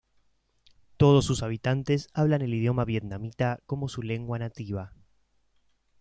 Todos sus habitantes hablan el idioma vietnamita como su lengua nativa.